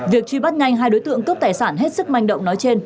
việc truy bắt nhanh hai đối tượng cướp tài sản hết sức manh động nói trên